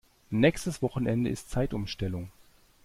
Nächstes Wochenende ist Zeitumstellung.